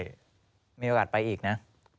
มีโอกาสไปอีกนะ